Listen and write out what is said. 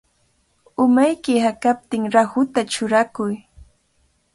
Umayki hakaptin rahuta churakuy.